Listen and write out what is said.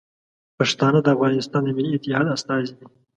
پښتانه د افغانستان د ملي اتحاد استازي دي.